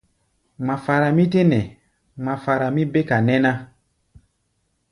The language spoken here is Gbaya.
Ŋmafara mí tɛ́ nɛ, ŋmafara mí béka nɛ́ ná.